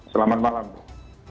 terima kasih selamat malam